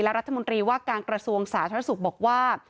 รัฐมนตรีว่าการกระทรวงสาธารณสุขบอกว่า